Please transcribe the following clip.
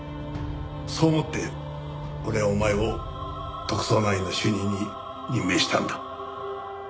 そう思って俺はお前を特捜９の主任に任命したんだ。